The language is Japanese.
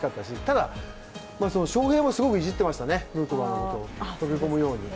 ただ、翔平はすごくいじってましたね、ヌートバーのことを、溶け込むように。